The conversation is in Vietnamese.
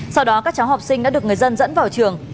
sau đó các cháu học sinh đã được người dân dẫn vào trường